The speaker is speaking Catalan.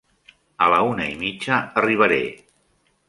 A la una i mitja arribaré.